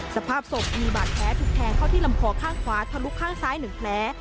สภาพศพมีบาดแผลถูกแทงเข้าที่ลำคอข้างขวาทะลุข้างซ้าย๑แผล